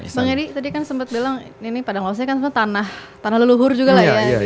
bang edi tadi kan sempat bilang ini padang lawasnya kan sempat tanah leluhur juga lah ya